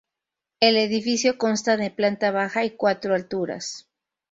El edificio consta de planta baja y cuatro alturas.